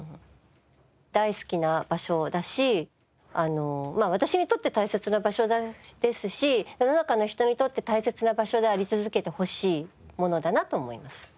大好きな場所だし私にとって大切な場所ですし世の中の人にとって大切な場所であり続けてほしいものだなと思います。